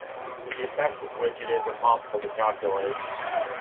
The effects of which it is impossible to calculate.